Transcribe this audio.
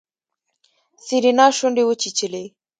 سېرېنا شونډې وچيچلې.